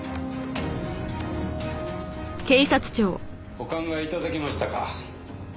お考え頂けましたか？